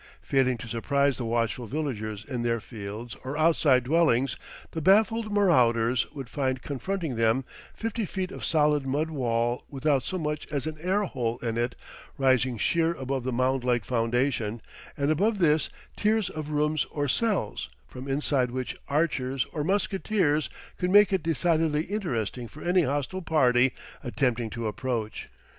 Failing to surprise the watchful villagers in their fields or outside dwellings, the baffled marauders would find confronting them fifty feet of solid mud wall without so much as an air hole in it, rising sheer above the mound like foundation, and above this, tiers of rooms or cells, from inside which archers or musketeers could make it decidedly interesting for any hostile party attempting to approach.